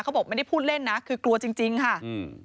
เขาบอกไม่ได้พูดเล่นนะคือกลัวจริงค่ะ